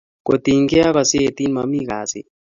kotiny ge ak gazetit mami kasit